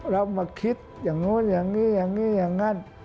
เรามาคิดอย่างนู้นอย่างนี้อย่างนี้อย่างนั้น